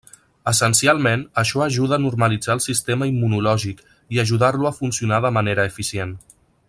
Essencialment, això ajuda a normalitzar el sistema immunològic i ajudar-lo a funcionar de manera eficient.